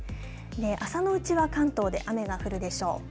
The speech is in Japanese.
朝のうちは関東で雨が降るでしょう。